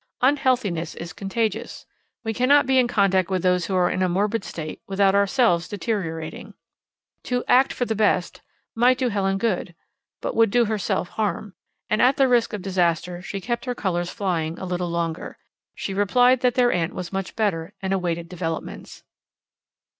Unhealthiness is contagious. We cannot be in contact with those who are in a morbid state without ourselves deteriorating. To "act for the best" might do Helen good, but would do herself harm, and, at the risk of disaster, she kept her colours flying a little longer. She replied that their aunt was much better, and awaited developments.